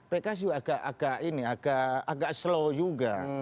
pks juga agak slow juga